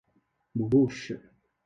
母陆氏。